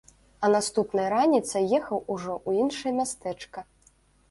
А наступнай раніцай ехаў ужо ў іншае мястэчка.